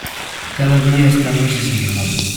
Cada día está más desanimado.